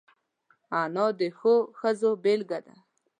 انا د ښو ښځو بېلګه ده